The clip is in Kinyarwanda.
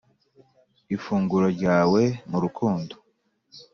‘ifunguro ryawe mu rukundo’